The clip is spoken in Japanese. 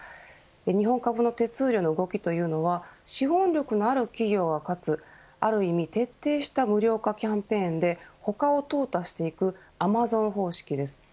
日本株の手数料の動きというのは資本力のある企業が勝つある意味徹底した無料化キャンペーンで他を淘汰していくアマゾン方式です。